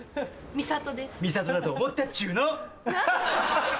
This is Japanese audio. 美里だと思ったっちゅうの！